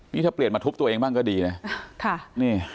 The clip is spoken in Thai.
นี่ถ้าเปลี่ยนมาทุบตัวเองบ้างก็ดีนะ